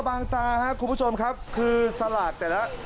บางตาครับคุณผู้ชมครับคือสลากแต่ละ